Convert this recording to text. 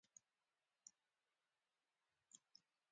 هیلۍ یوه ښکلې مرغۍ ده